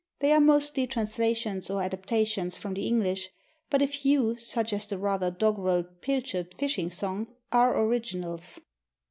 They are mostly translations or adaptations from the English, but a few, such as the rather doggerel 'Pilchard Fishing Song,' are originals.